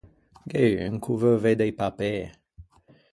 Gh’é un ch’o veu vedde i papê.